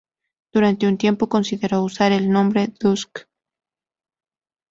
Durante un tiempo consideró usar el nombre Dusk.